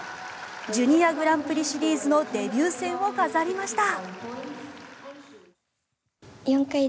ジュニアグランプリシリーズのデビュー戦を飾りました。